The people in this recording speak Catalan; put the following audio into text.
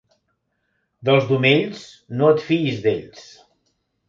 Dels d'Omells, no et fiïs d'ells.